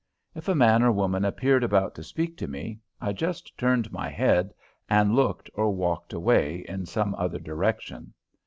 If a man or woman appeared about to speak to me, I just turned my head and looked or walked away in some other direction.